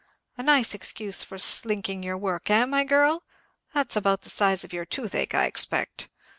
A nice excuse for slinking your work, eh, my girl? That's about the size of your toothache, I expect!